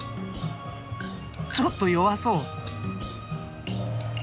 ちょっと弱そう。